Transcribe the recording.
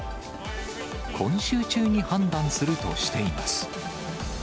今週中に判断するとしています。